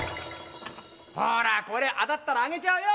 ほらこれあたったらあげちゃうよ！